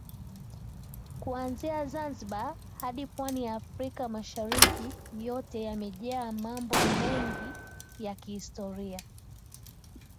kuanzia Zanzibar hadi pwani ya Afrka Mashariki yote yamejaa mmbo mengi ya kihistoria